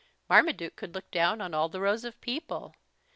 Marmaduke could look down on all the rows of people.